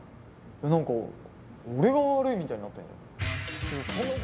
何か俺が悪いみたいになってんじゃん。